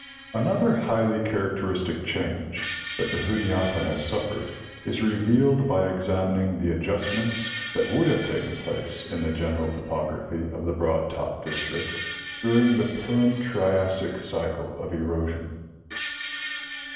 — Another highly characteristic change that the Juniata has suffered is revealed by examining the adjustments that would have taken place in the general topography of the Broad Top district during the Perm Triassic cycle of erosion.